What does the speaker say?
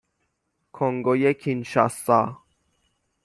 کنگوی کینشاسا